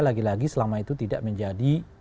lagi lagi selama itu tidak menjadi